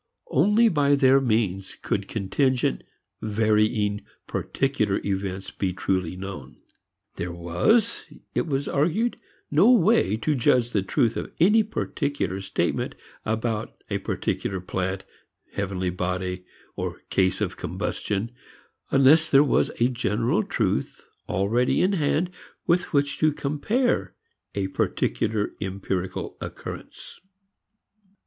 Only by their means could contingent, varying particular events be truly known. There was, it was argued, no way to judge the truth of any particular statement about a particular plant, heavenly body, or case of combustion unless there was a general truth already in hand with which to compare a particular empirical occurrence.